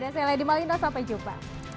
saya lady malino sampai jumpa